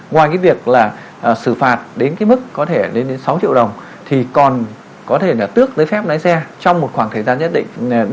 ngoài việc xử phạt đến mức có thể đến sáu triệu đồng thì còn có thể là tước giấy phép lái xe trong một khoảng thời gian nhất định